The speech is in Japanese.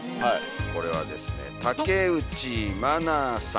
これはですね竹内愛さん。